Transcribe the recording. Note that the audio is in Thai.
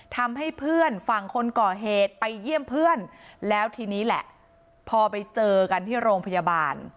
ทำให้เพื่อนฝั่งคนก่อเหตุไปเยี่ยมเพื่อนแล้วทีนี้แหละพอไปเจอกันที่โรงพยาบาล